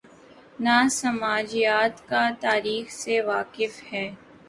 نہ سماجیات کا" تاریخ سے واقف ہیں۔